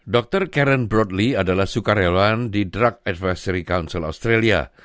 dr karen broadley adalah sukarelawan di drug advisory council australia